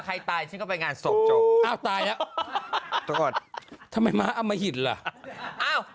ใครตายฉันก็ไปงานศพจบอ้าวตายแล้วทำไมม้าเอามาหิดล่ะอ้าว